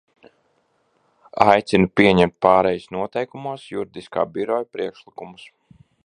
Aicinu pieņemt pārejas noteikumos Juridiskā biroja priekšlikumus.